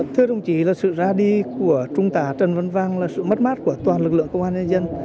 thưa đồng chí sự ra đi của trung tà trần văn vang là sự mất mát của toàn lực lượng công an nhân dân